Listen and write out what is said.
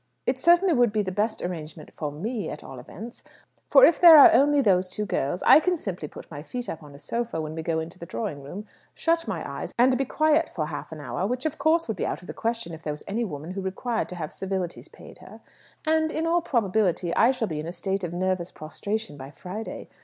"It certainly would be the best arrangement for me, at all events; for if there are only those two girls, I can simply put my feet up on a sofa when we go into the drawing room, shut my eyes, and be quiet for half an hour, which, of course, would be out of the question if there was any woman who required to have civilities paid her; and in all probability I shall be in a state of nervous prostration by Friday.